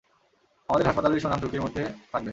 আমাদের হাসপাতালের সুনাম ঝুঁকির মধ্যে থাকবে।